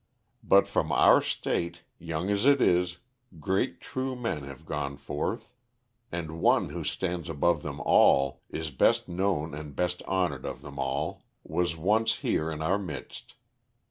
But from our state, young as it is, great true men have gone forth; and one who stands above them all, is best known and best honored of them all, was once here in our midst.